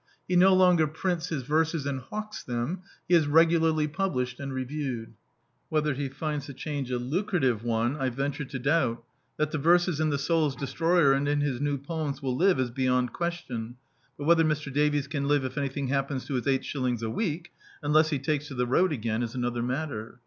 He no longer prints his verses and hawks them : he is regularly published and reviewed. Whether he finds the change a lucrative one I venture to doubt. That the verses in The Soul's Destroyer and in his New Poems will live is beyond question; but whether Mr. Davies can live if anything happens to his eight shilling a week (tuless be takes to the road again) is another matter.